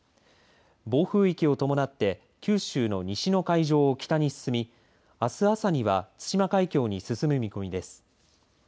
暴風域を伴って九州の西の海上を北に進みあす朝には対馬海峡に進む見込みです。